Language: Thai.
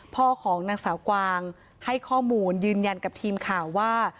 พ่อของนางสาวกวางให้ข้อมูลยืนยันกับทีมข่าวว่า